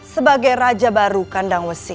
sebagai raja baru kandang wesi